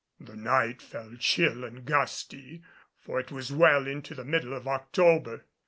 The night fell chill and gusty, for it was well into the middle of October.